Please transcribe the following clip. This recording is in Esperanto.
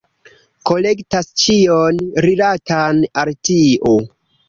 Kolektas ĉion rilatan al tio.